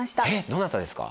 どなたですか？